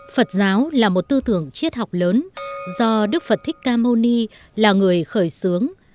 phật giáo là một tư tưởng triết học lớn do đức phật thích ca mâu ni là người khởi xướng